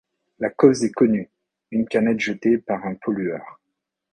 La cause est connue: une cannette jetée par un pollueur.